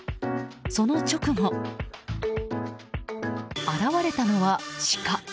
その直後、現れたのはシカ。